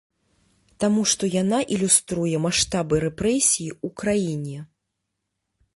Таму што яна ілюструе маштабы рэпрэсій у краіне.